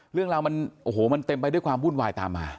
เรื่องราวมันเต็มไปด้วยความบุ่นวายตามมา